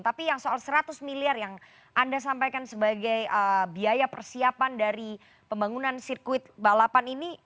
tapi yang soal seratus miliar yang anda sampaikan sebagai biaya persiapan dari pembangunan sirkuit balapan ini